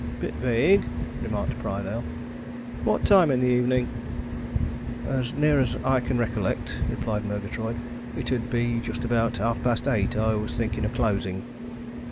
"Bit vague," remarked Prydale. "What time in the evening?" "As near as I can recollect," replied Murgatroyd, "it 'ud be just about half past eight. I was thinking of closing."